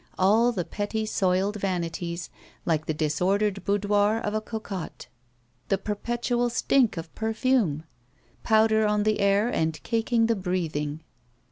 All the petty soiled vanities, like the disordered boudoir of a cocotte. The perpetual stink of per fume. Powder on the air and caking the breathing.